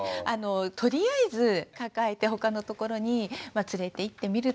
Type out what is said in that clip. とりあえず抱えて他のところに連れていってみるとか。